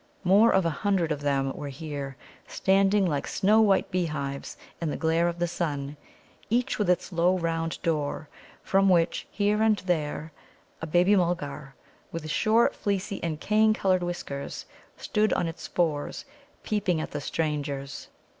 More than a hundred of them were here, standing like snow white beehives in the glare of the sun, each with its low round door, from which, here and there, a baby Mulgar, with short, fleecy, and cane coloured whiskers, stood on its fours, peeping at the strangers.